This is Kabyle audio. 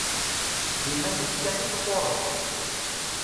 D iman-ik kan i tḍurreḍ.